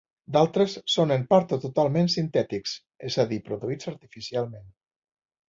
D'altres són en part o totalment sintètics, és a dir, produïts artificialment.